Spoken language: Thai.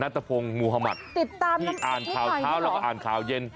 ติดตามมันเป็นที่ใหม่อยู่หรอพี่เบิร์ทณัฏภงมูฮามัธนี่อ่านข่าวเท้าแล้วอ่านข่าวเย็น